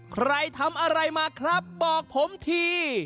ใครทำอะไรมาครับบอกผมที